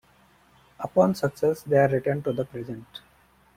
Upon success, they are returned to the present.